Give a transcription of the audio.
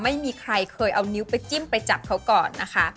ไม่มีใครเคยเอานิ้วไปจิ้มไปจับเขาก่อนนะคะ